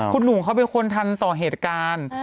คุณหนุ่มเขาเป็นคนทันต่อเหตุการณ์